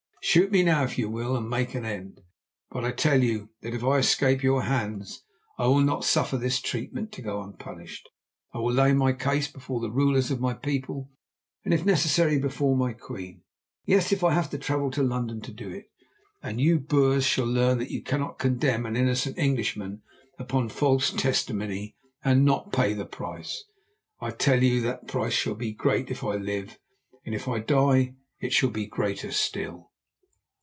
Shoot me now if you will, and make an end. But I tell you that if I escape your hands I will not suffer this treatment to go unpunished. I will lay my case before the rulers of my people, and if necessary before my Queen, yes, if I have to travel to London to do it, and you Boers shall learn that you cannot condemn an innocent Englishman upon false testimony and not pay the price. I tell you that price shall be great if I live, and if I die it shall be greater still."